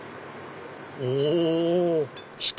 お！